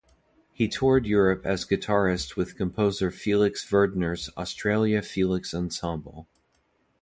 He toured Europe as guitarist with composer Felix Werder's Australia Felix Ensemble.